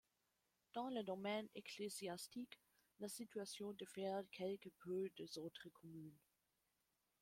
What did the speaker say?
Dans le domaine ecclésiastique, la situation diffère quelque peu des autres communes.